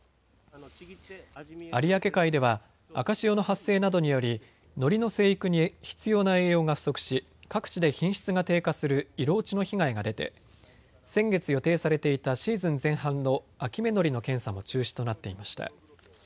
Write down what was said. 有明海では赤潮の発生などによりのりの生育に必要な栄養が不足し各地で品質が低下する色落ちの被害が出て先月予定されていたシーズン前半の秋芽のりの検査も中止となっていました。